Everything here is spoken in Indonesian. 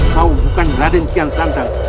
mau bukan raden kian santan